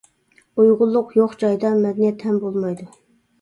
ئۇيغۇنلۇق يوق جايدا، مەدەنىيەت ھەم بولمايدۇ.